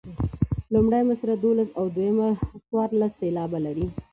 لومړۍ مصرع دولس او دویمه څوارلس سېلابونه لري.